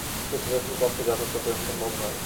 ক্রীতদাসের পক্ষে যথার্থ প্রেম সম্ভব নয়।